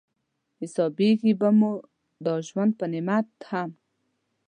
حسابېږي به مو دا ژوند په نعمت هم